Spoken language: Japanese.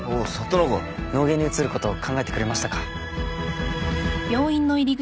脳外に移ること考えてくれましたか？